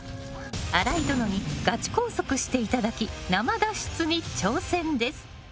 荒井殿にガチ拘束していただき生脱出に挑戦です。